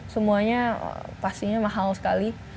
semuanya pastinya mahal sekali